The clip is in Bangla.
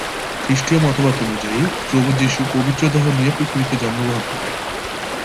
খ্রিস্টীয় মতবাদ অনুযায়ী প্রভু যীশু পবিত্র দেহ নিয়ে পৃথিবীতে জন্মগ্রহণ করেন।